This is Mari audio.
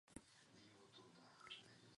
Кӱсенышкыже чыкен да тунамак монден.